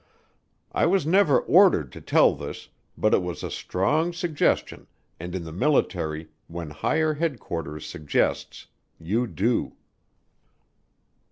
I was never ordered to tell this, but it was a strong suggestion and in the military when higher headquarters suggests, you do.